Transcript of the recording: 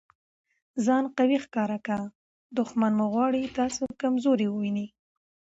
ځان قوي ښکاره که! دوښمن مو غواړي تاسي کمزوري وویني.